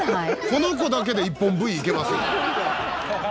この子だけで１本Ｖいけますよ。